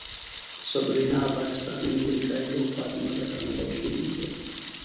صبرینا پاکستانۍ امریکایۍ او فاطمه د کاناډا اوسېدونکې وه.